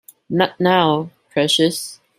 Not now, precious.